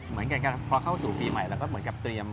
เหมือนกับพอเข้าสู่ปีใหม่แล้วก็เหมือนกับเตรียม